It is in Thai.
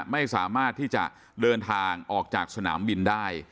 ไม่สามารถที่จะเดินทางออกจากสนามบินได้